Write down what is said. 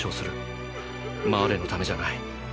マーレのためじゃない。